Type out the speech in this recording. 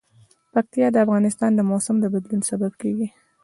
پکتیا د افغانستان د موسم د بدلون سبب کېږي.